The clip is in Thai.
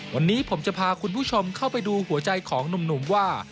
วันนี้ผมจะพาคุณผู้ชมเข้าไปดูหัวใจของหนุ่มว่า